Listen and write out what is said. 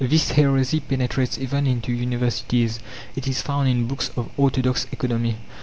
This heresy penetrates even into universities; it is found in books of orthodox economy.